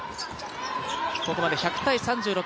ここまで１００−３６。